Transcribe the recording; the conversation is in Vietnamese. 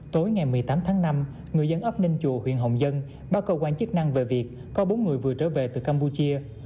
tối ngày một mươi tám tháng năm người dân ấp ninh chùa huyện hồng dân báo cơ quan chức năng về việc có bốn người vừa trở về từ campuchia